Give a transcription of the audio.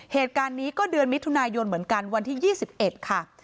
เหตุการณ์นี้ก็เดือนมิถุนายนเหมือนกันวันที่๒๑ค่ะ